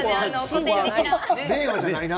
令和じゃないな。